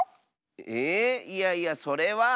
えいえいやそれは。